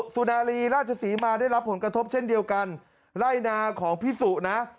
สุนารีราชศรีมาได้รับผลกระทบเช่นเดียวกันไล่นาของพี่สุนะ